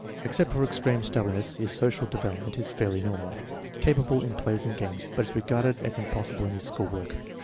Except for extreme stubbornness his social development is fairly normal. Capable in plays and games, but is regarded as impossible in his school work.